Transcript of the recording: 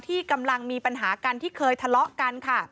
ที่กำลังมีปัญหากันที่เคยทะเลาะกันค่ะ